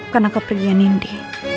karena kepergian indy